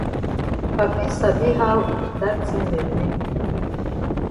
Papi sabi how wey dat tin dem dey.